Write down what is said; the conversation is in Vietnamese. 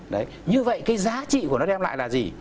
đấy như vậy cái giá trị của nó đem lại là gì